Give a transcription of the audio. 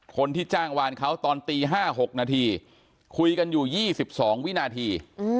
คนที่จ้างวานเขาตอนตีห้าหกนาทีคุยกันอยู่ยี่สิบสองวินาที